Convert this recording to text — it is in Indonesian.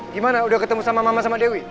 gimana udah ketemu sama mama sama dewi